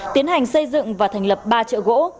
tiến hành xây dựng và thành lập ba chợ gỗ